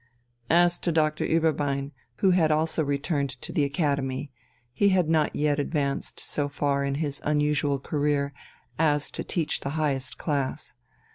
As to Doctor Ueberbein, who had also returned to the academy, he had not yet advanced so far in his unusual career as to teach the highest class.